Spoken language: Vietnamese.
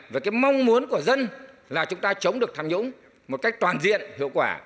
với cái mong muốn của dân là chúng ta chống được tham nhũng một cách toàn diện hiệu quả